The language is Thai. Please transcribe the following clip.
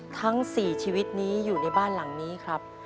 ทั้ง๔ชีวิตนี้อยู่ในบ้านหลังนี้ครับ